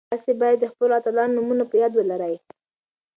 تاسي باید د خپلو اتلانو نومونه په یاد ولرئ.